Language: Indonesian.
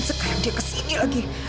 sekarang dia kesini lagi